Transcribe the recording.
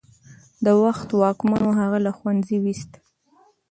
د وخت واکمنو هغه له ښوونځي ویست.